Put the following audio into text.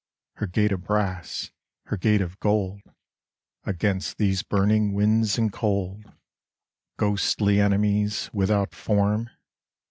Her gate of brass, her gate of gold Against these burning winds and cold. Ghostly enemies without form.